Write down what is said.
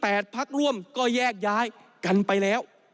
เพราะตอนนี้๘พักร่วมก็แยกย้ายกันไปแล้ว